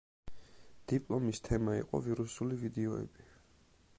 დიპლომის თემა იყო ვირუსული ვიდეოები.